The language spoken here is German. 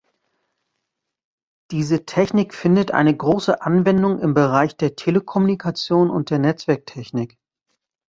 Diese Technik findet eine große Anwendung im Bereich der Telekommunikation und der Netzwerktechnik.